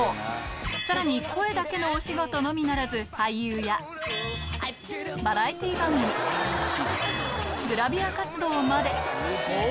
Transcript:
さらに声だけのお仕事のみならず、俳優やバラエティー番組、グラビア活動まで。